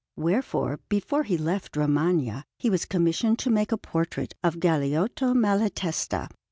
Wherefore, before he left Romagna, he was commissioned to make a portrait of Galeotto Malatesta.